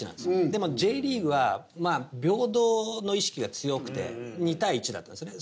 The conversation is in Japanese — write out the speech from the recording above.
でもＪリーグは平等の意識が強くて２：１だったんですよね。